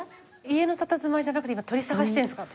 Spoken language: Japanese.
家のたたずまいじゃなくて今鳥捜してるんですか？